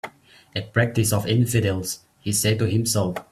"A practice of infidels," he said to himself.